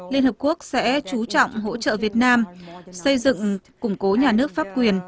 liên hợp quốc sẽ chú trọng hỗ trợ việt nam xây dựng củng cố nhà nước pháp quyền